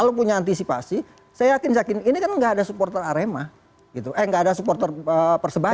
kalau punya antisipasi saya yakin yakin ini kan enggak ada supporter arema gitu eh nggak ada supporter persebaya